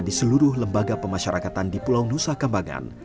di seluruh lembaga pemasyarakatan di pulau nusa kambangan